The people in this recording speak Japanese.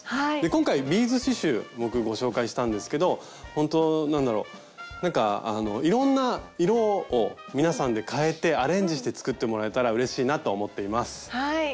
今回ビーズ刺しゅう僕ご紹介したんですけどほんとなんだろなんかいろんな色を皆さんで変えてアレンジして作ってもらえたらうれしいなと思っています。